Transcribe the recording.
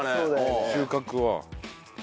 収穫は。